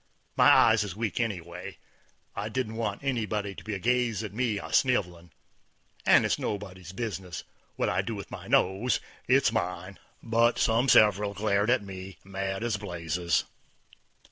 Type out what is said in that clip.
My eyes is weak anyway; I didn't want anybody to be a gazin' at me a sniv'lin', and it's nobody's business what I do with my nose. It's mine. But some several glared at me mad as blazes.